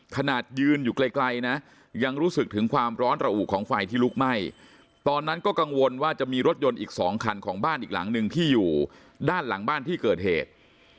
ขนาดยืนอยู่ไกลนะยังรู้สึกถึงความร้อนระอุของไฟที่ลุกไหม้ตอนนั้นก็กังวลว่าจะมีรถยนต์อีก๒คันของบ้านอีกหลังหนึ่งที่อยู่ด้านหลังบ้านที่เกิดเหตุ